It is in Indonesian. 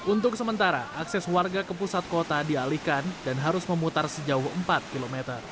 untuk sementara akses warga ke pusat kota dialihkan dan harus memutar sejauh empat km